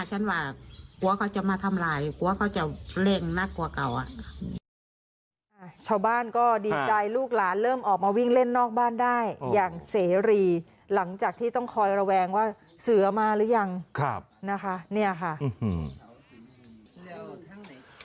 ชาวบ้านก็ดีใจลูกหลานเริ่มออกมาวิ่งเล่นนอกบ้านได้อย่างเสรีหลังจากที่ต้องคอยระแวงว่าเสือมาหรือยังครับนะคะเนี่ยค่ะ